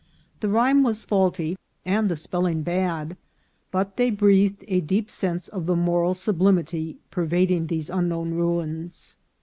The rhyme was faulty and the spelling bad, but they breathed a deep sense of the moral sublimity pervading these unknown ruins.